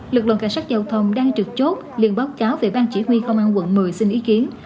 lực lượng cảnh sát giao thông đang trực chốt liên báo cáo về bang chỉ huy công an quận một mươi xin ý kiến